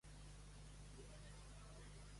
Alguns assamesos també fan servir el Sarmah.